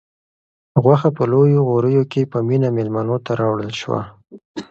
غوښه په لویو غوریو کې په مینه مېلمنو ته راوړل شوه.